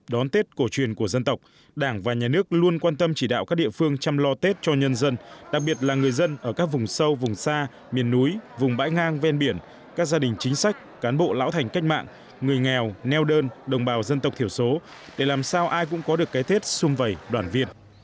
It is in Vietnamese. đồng chí võ văn thưởng và nhà nước luôn quan tâm chỉ đạo các địa phương chăm lo tết cho nhân dân đặc biệt là người dân ở các vùng sâu vùng xa miền núi vùng bãi ngang ven biển các gia đình chính sách cán bộ lão thành cách mạng người nghèo neo đơn đồng bào dân tộc thiểu số để làm sao ai cũng có được cái tết xung vầy đoàn việt